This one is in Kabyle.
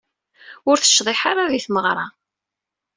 Ur tecḍiḥ ara di tmeɣra.